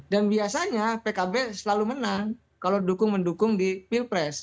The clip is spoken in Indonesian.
dan biasanya pkb selalu menang kalau mendukung di pilpres